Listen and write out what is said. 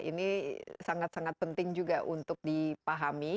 ini sangat sangat penting juga untuk dipahami